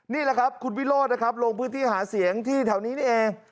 นี่แหละครับคุณวิโรธนะครับลงพื้นที่หาเสียงที่แถวนี้นี่เอง